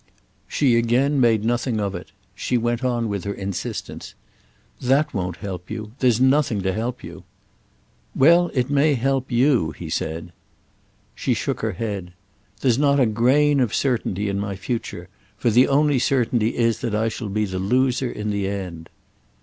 She again made nothing of it; she went on with her insistence. "That won't help you. There's nothing to help you." "Well, it may help you," he said. She shook her head. "There's not a grain of certainty in my future—for the only certainty is that I shall be the loser in the end."